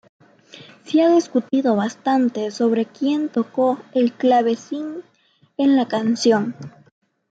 Se ha discutido bastante sobre quien tocó el clavecín en la canción.